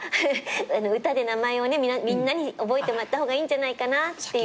歌で名前をみんなに覚えてもらった方がいいんじゃないかなって。